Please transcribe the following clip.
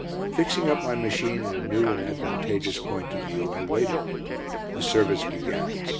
Fixing up my machine at a new and advantageous point of view, I waited. The service began.